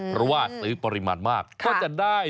เพราะว่าซื้อปริมาณมากก็จะได้